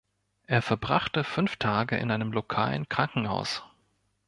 Er verbrachte fünf Tage in einem lokalen Krankenhaus.